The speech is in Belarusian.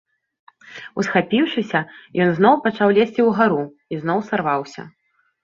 Усхапіўшыся, ён зноў пачаў лезці ўгару і зноў сарваўся.